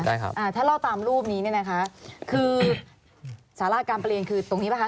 ได้ครับอ่าถ้าเล่าตามรูปนี้เนี่ยนะคะคือสาราการประเรียนคือตรงนี้ป่ะค